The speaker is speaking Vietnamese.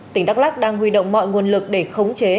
tỉnh đắk lắc đang huy động mọi nguồn lực để khống chế